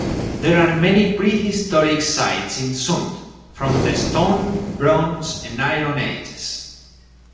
There are many pre-historic sites in Sund from the Stone, Bronze and Iron Ages.